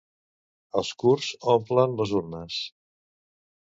Els kurds omplen les urnes.